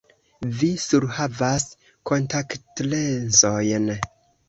Vi surhavas kontaktlensojn.